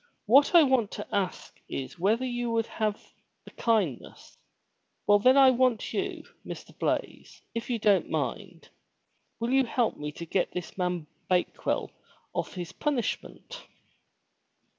What I want to ask is whether you would have the kindness, — Well then I want you, Mr. Blaize, if you don't mind, will you help me to get this man Bake well off his punishment?'